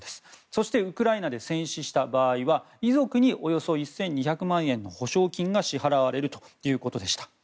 そして、ウクライナで戦死した場合は遺族におよそ１２００万円の補償金が支払われるということでした。